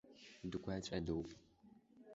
Дгәаҵәадоуп!